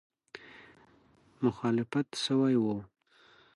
مخالفت سوی وو.